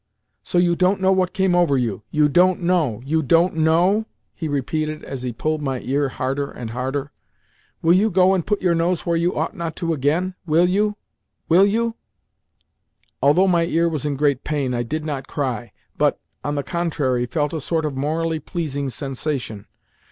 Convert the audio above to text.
"So you don't know what came over you—you don't know, you don't know?" he repeated as he pulled my ear harder and harder. "Will you go and put your nose where you ought not to again—will you, will you?" Although my ear was in great pain, I did not cry, but, on the contrary, felt a sort of morally pleasing sensation.